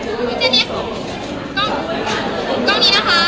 ที่เจนนี่ของกล้องนี้นะคะ